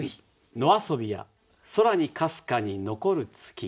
「野遊びや空に幽かに残る月」。